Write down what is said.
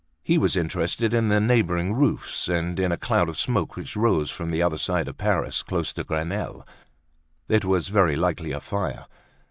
He was interested in the neighboring roofs, and in a cloud of smoke which rose from the other side of Paris, close to Grenelle; it was very likely a fire.